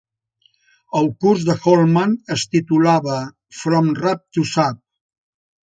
El curs de Holman es titulava "From Rap to Zap".